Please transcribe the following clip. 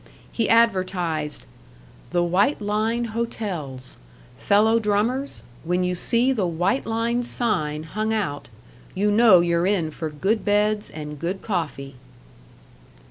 He advertised: "The White Line Hotels. Fellow drummers, when you see the White Line sign hung out, you know you're in for good beds and good coffee."